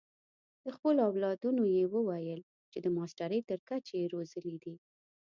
د خپلو اولادونو یې وویل چې د ماسټرۍ تر کچې یې روزلي دي.